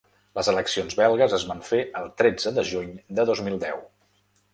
Les eleccions belgues es van fer el tretze de juny de dos mil deu.